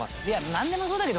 なんでもそうだけどね。